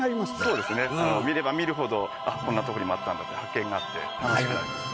そうですね見れば見るほどこんなところにもあったんだって発見があって楽しくなります。